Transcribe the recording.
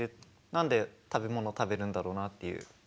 何で食べ物を食べるんだろうなっていう。